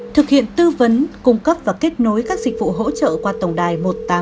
thực hiện tư vấn cung cấp và kết nối các dịch vụ hỗ trợ qua tổng đài một nghìn tám trăm linh tám nghìn tám mươi